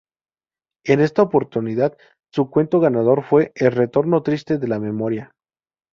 En esta oportunidad su cuento ganador fue "El Retorno Triste de la Memoria".